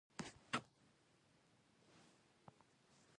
د خوست په سپیره کې د سمنټو مواد شته.